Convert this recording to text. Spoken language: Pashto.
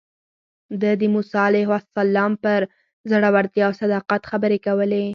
ده د موسی علیه السلام پر زړورتیا او صداقت خبرې کولې.